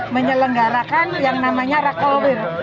menyelenggarakan yang namanya rakowir